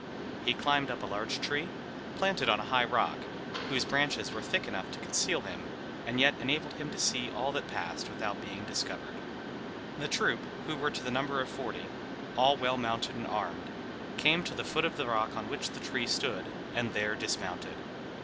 He climbed up a large tree, planted on a high rock, whose branches were thick enough to conceal him, and yet enabled him to see all that passed without being discovered. The troop, who were to the number of forty, all well mounted and armed, came to the foot of the rock on which the tree stood, and there dismounted.